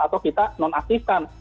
atau kita nonaktifkan